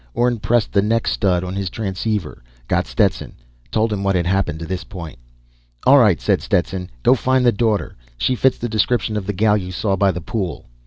Orne pressed the neck stud on his transceiver, got Stetson, told him what had happened to this point. "All right," said Stetson. "Go find the daughter. She fits the description of the gal you saw by the pool."